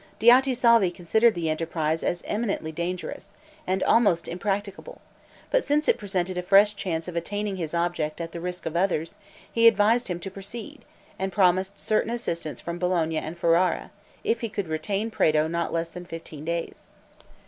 Diotisalvi considered the enterprise as imminently dangerous, and almost impracticable; but since it presented a fresh chance of attaining his object, at the risk of others, he advised him to proceed, and promised certain assistance from Bologna and Ferrara, if he could retain Prato not less than fifteen days.